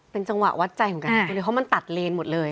เป็นจังหวะวัดใจของกันเพราะมันตัดเลนหมดเลย